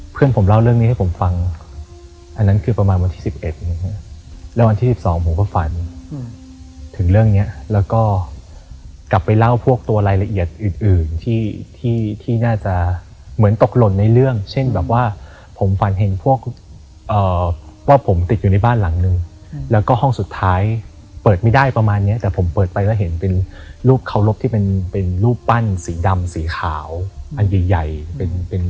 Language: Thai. เพื่อนผมเล่าเรื่องนี้ให้ผมฟังอันนั้นคือประมาณวันที่สิบเอ็ดนะครับแล้ววันที่สิบสองผมก็ฟันอืมถึงเรื่องเนี้ยแล้วก็กลับไปเล่าพวกตัวอะไรละเอียดอื่นอื่นที่ที่ที่น่าจะเหมือนตกหล่นในเรื่องเช่นแบบว่าผมฟันเห็นพวกเอ่อว่าผมติดอยู่ในบ้านหลังหนึ่งอืมแล้วก็ห้องสุดท้ายเปิดไม่ได้ประมาณเนี้ยแต่ผมเปิดไปแล้วเห